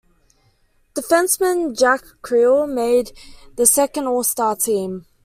Defenceman Jack Criel made the second all-star team.